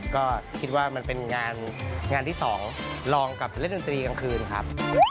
ก็คิดว่ามันเป็นงานที่๒ลองกับเล่นดนตรีกลางคืนครับ